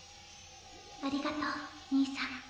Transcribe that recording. ありがとう兄さん。